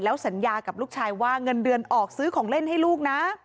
สัญญากับลูกชายว่าเงินเดือนออกซื้อของเล่นให้ลูกนะ